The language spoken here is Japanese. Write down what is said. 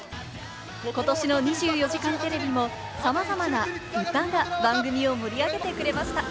ことしの『２４時間テレビ』も、さまざまな歌が番組を盛り上げてくれました。